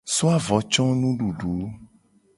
So avo co nududu.